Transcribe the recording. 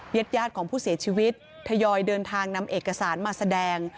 ญาติญาติของผู้เสียชีวิตทยอยเดินทางนำเอกสารมาแสดง